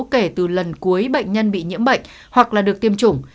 kể từ lần cuối bệnh nhân bị nhiễm bệnh hoặc là được tiêm chủng